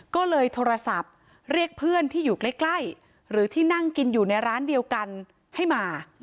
ก็เลยโทรศัพท์เรียกเพื่อนที่อยู่ใกล้หรือที่นั่งกินอยู่ในร้านเดียวกันให้มา